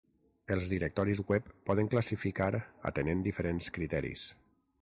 Els directoris web poden classificar atenent diferents criteris.